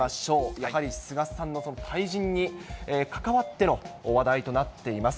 やはり菅さんのその退陣に関わっての話題となっています。